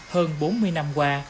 hơn bốn mươi năm qua